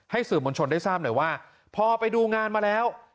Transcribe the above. สื่อมวลชนได้ทราบหน่อยว่าพอไปดูงานมาแล้ว